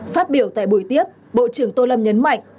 phát biểu tại buổi tiếp bộ trưởng tô lâm nhấn mạnh